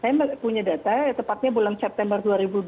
saya punya data tepatnya bulan september dua ribu dua puluh